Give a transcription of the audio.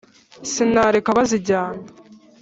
Sinareka bazijyana !